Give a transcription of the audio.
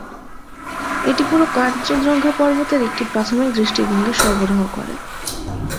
এটি পুরো কাঞ্চনজঙ্ঘা পর্বতের একটি প্রাথমিক দৃষ্টিভঙ্গি সরবরাহ করে।